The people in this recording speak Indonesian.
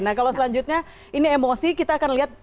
nah kalau selanjutnya ini emosi kita akan lihat